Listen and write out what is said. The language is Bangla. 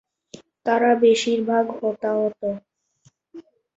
তারা বেশির ভাগ হতাহত।